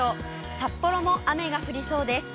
札幌も雨が降りそうです。